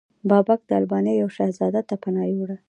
بابک د البانیا یو شهزاده ته پناه یووړه.